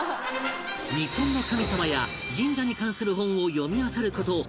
日本の神様や神社に関する本を読みあさる事１００冊以上！